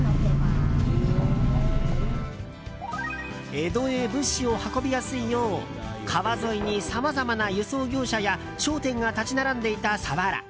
江戸へ物資を運びやすいよう川沿いに、さまざまな輸送業者や商店が立ち並んでいた佐原。